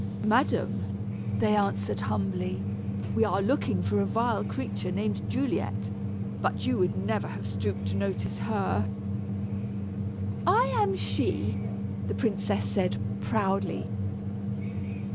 "Madam," they answered humbly, "we are looking for a vile creature named Juliet; but you would never have stooped to notice her." "I am she," the princess said, proudly.